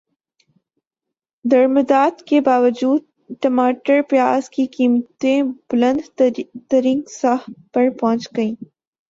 درمدات کے باوجود ٹماٹر پیاز کی قیمتیں بلند ترین سطح پر پہنچ گئیں